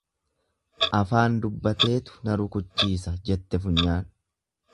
Afaan dubbateetu na rukuchiisa jette funyaan.